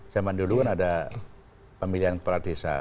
zaman dulu kan ada pemilihan kepala desa